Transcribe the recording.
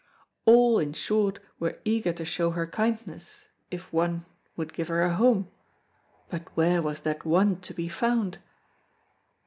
All, in short, were eager to show her kindness if one would give her a home, but where was that one to be found?